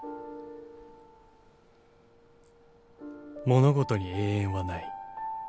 ［物事に永遠はない］